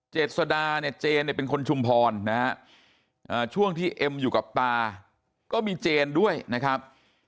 เจษดาเนี่ยเจนเนี่ยเป็นคนชุมพรนะฮะช่วงที่เอ็มอยู่กับตาก็มีเจนด้วยนะครับ